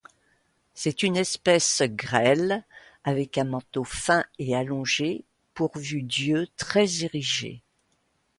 C'est une espèce grêle, avec un manteau fin et allongé pourvu d'yeux très érigés.